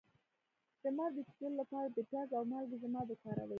د مار د چیچلو لپاره د پیاز او مالګې ضماد وکاروئ